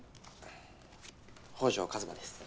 北條一馬です。